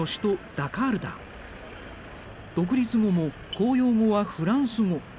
独立後も公用語はフランス語。